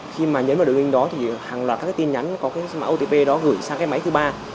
khi mà nhấn vào đường link đó thì hàng loạt các cái tin nhắn có cái mạng otp đó gửi sang cái máy thứ ba